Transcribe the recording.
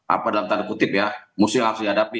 apa dalam tanda kutip ya musuh yang harus dihadapi